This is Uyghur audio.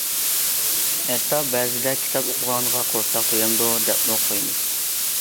ھەتتا بەزىدە« كىتاب ئوقۇغانغا قورساق تۇيامدۇ؟» دەپمۇ قويمىز.